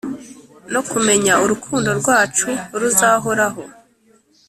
no kumenya urukundo rwacu ruzahoraho